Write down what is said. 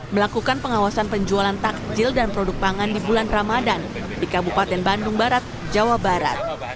melakukan pengawasan penjualan takjil dan produk pangan di bulan ramadan di kabupaten bandung barat jawa barat